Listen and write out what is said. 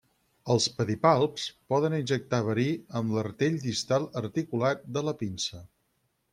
Els pedipalps poden injectar verí amb l'artell distal, articulat, de la pinça.